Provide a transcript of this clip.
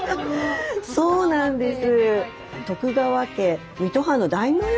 そうなんです。